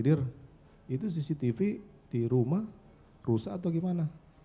dir itu cctv di rumah rusak atau bagaimana